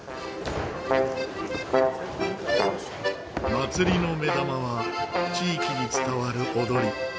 祭りの目玉は地域に伝わる踊り。